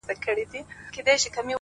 لکه زما زړه’ يو داسې بله هم سته’